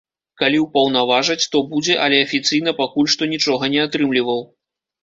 Калі ўпаўнаважаць, то будзе, але афіцыйна пакуль што нічога не атрымліваў.